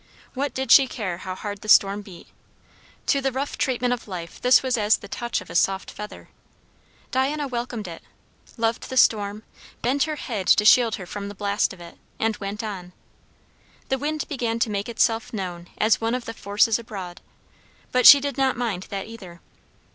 What did she care how hard the storm beat? To the rough treatment of life this was as the touch of a soft feather. Diana welcomed it; loved the storm; bent her head to shield her from the blast of it, and went on. The wind began to make itself known as one of the forces abroad, but she did not mind that either.